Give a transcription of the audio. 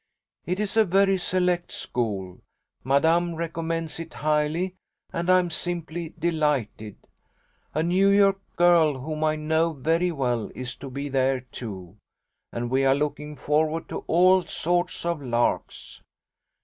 "It is a very select school. Madame recommends it highly, and I am simply delighted. A New York girl whom I know very well is to be there too, and we are looking forward to all sorts of larks.